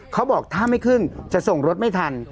เขาบอกถ้าไม่ขึ้นจะส่งรถไม่ทัน